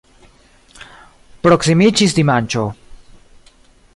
Proksimiĝis dimanĉo.